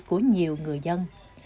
của nhiều người dân